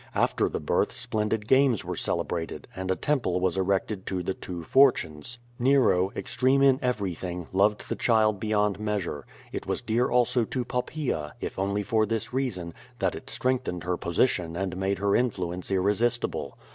After the birth splendid games were celebrated and a temple was erected to the two Fortunes. Nero, extreme in every thing, loved the child beyond measure. It was dear also to Poppaea, if only for this reason, that it strengthened her posi tion and made her influence irresistible.